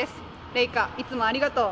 礼華、いつもありがとう。